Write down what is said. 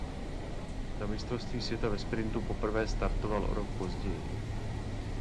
Na Mistrovství světa ve sprintu poprvé startoval o rok později.